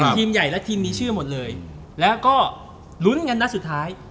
ทีมใหญ่และทีมมีชื่อหมดเลยแล้วก็ลุ้นกันนัดสุดท้าย